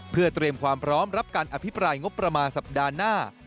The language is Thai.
เพื่อเตรียมความพร้อมรับการอภิปรายงบประมาณสัปดาห์หน้า